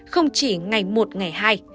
không chỉ ngày một ngày hai